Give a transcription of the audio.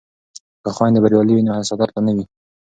که خویندې بریالۍ وي نو حسادت به نه وي.